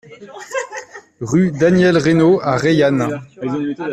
Rue Daniel Reynaud à Reillanne